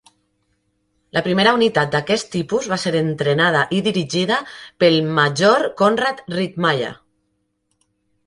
La primera unitat d'aquest tipus va ser entrenada i dirigida pel Major Konrad Rittmeyer.